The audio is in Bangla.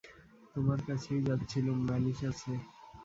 তোমার কাছেই যাচ্ছিলুম, নালিশ আছে।